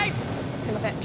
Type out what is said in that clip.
すいません。